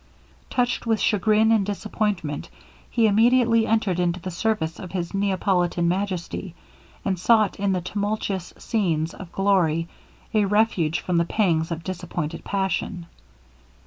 'Touched with chagrin and disappointment, he immediately entered into the service of his Neapolitan majesty, and sought in the tumultuous scenes of glory, a refuge from the pangs of disappointed passion.